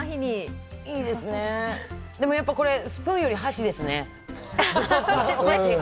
これ、やっぱりスプーンより箸ですね。